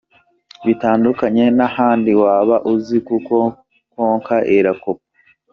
Bitandukanye n’ahandi waba uzi kuko Konka irakopa.